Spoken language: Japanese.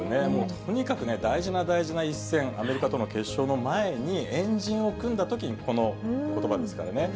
とにかく大事な大事な一戦、アメリカとの決勝の前に円陣を組んだときに、このことばですからね。